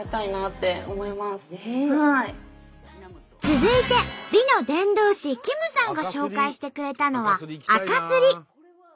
続いて美の伝道師キムさんが紹介してくれたのはあかすり。